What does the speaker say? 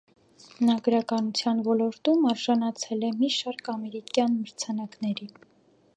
Նա գրականության ոլորտում արժանացել է մի շարք ամերիկյան մրցանակների։